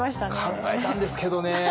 考えたんですけどね。